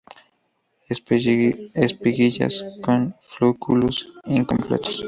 Espiguillas con flósculos incompletos.